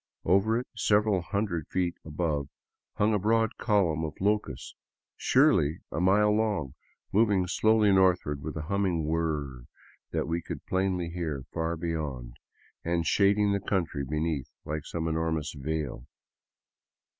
Over it, several hundred feet above, hung a broad column of locusts, surely a mile long, moving slowly northward with a humming whirr that we could plainly hear far beyond, and shading the country be neath like some enormous veil.